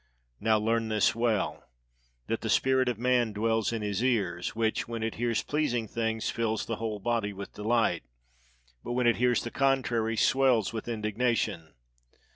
Now learn this well, that the spirit of man dwells in his ears; which, when it hears pleasing things, fills the whole body with delight, but when it hears the contrary, swells with indignation.